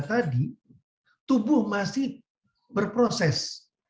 jadi tubuh masih berproses